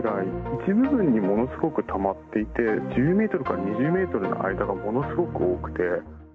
一部分にものすごくたまっていて、１０メートルから２０メートルの間がものすごく多くて。